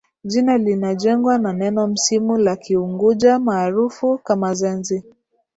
Jina linajengwa na neno msimu la Kiunguja maarufu kama Zenji